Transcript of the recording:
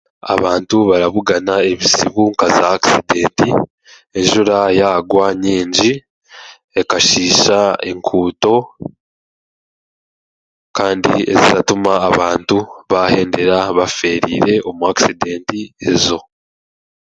Abantu barabugana ebizibu nk'aza akisidenti, enjura yaagwa nyingi ekashiisha enkuuto kandi eziratuma abantu baahendera bafeereire omu akisidenti ezo.